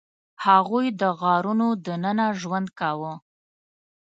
هغوی د غارونو دننه ژوند کاوه.